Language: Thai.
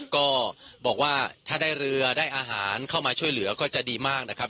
ก็บอกว่าถ้าได้เรือได้อาหารเข้ามาช่วยเหลือก็จะดีมากนะครับ